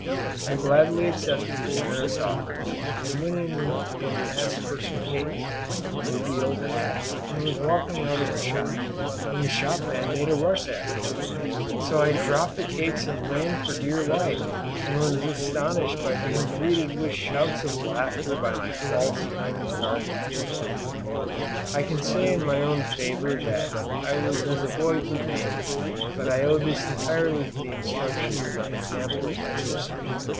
I gladly accepted the generous offer, and went in and asked for some cakes, moved the old hat and was walking out of the shop, when the shopman made a rush at me, so I dropped the cakes and ran for dear life, and was astonished by being greeted with shouts of laughter by my false friend Garnett. I can say in my own favour that I was as a boy humane, but I owed this entirely to the instruction and example of my sisters.